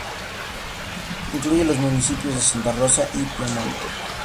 Incluye los municipios de Santa Rosa y Piamonte.